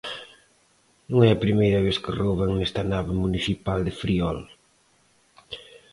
Non é a primeira vez que rouban nesta nave municipal de Friol.